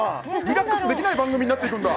リラックスできない番組になっていくんだ！